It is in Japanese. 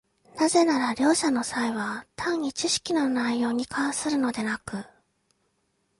なぜなら両者の差異は単に知識の内容に関するのでなく、